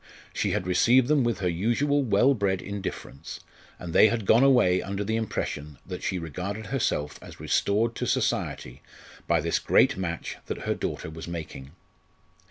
She had received them with her usual well bred indifference, and they had gone away under the impression that she regarded herself as restored to society by this great match that her daughter was making.